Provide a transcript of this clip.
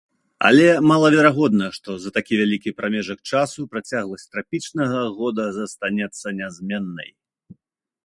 Але малаверагодна, што за такі вялікі прамежак часу працягласць трапічнага года застанецца нязменнай.